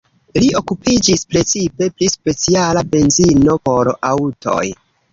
Li okupiĝis precipe pri speciala benzino por aŭtoj.